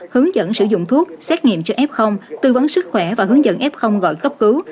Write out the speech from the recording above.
hướng dẫn sử dụng thuốc xét nghiệm cho f tư vấn sức khỏe và hướng dẫn f gọi cấp cứu